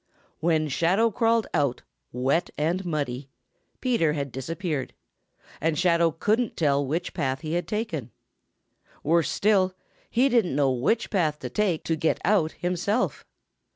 When Shadow crawled out, wet and muddy, Peter had disappeared, and Shadow couldn't tell which path he had taken. Worse still, he didn't know which path to take to get out himself.